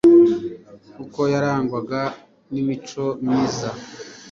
kuko yarangwaga n'imico myiza